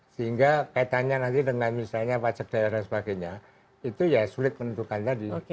sehingga kaitannya nanti dengan misalnya pajak daerah sebagainya itu ya sulit menentukan tadi